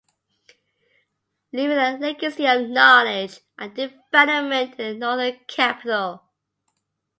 Leaving a legacy of knowledge and development in the Northern Capital.